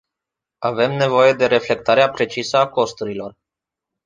Avem nevoie de reflectarea precisă a costurilor.